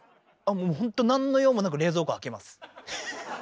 ほんとなんの用もなく冷蔵庫開けます。